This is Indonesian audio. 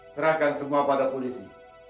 serahkan semua pada polisi